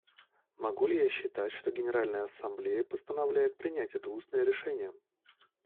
Могу ли я считать, что Генеральная Ассамблея постановляет принять это устное решение?